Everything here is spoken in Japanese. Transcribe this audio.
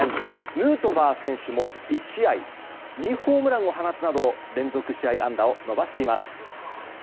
ヌートバー選手も１試合２ホームランを放つなど連続試合安打を伸ばしています。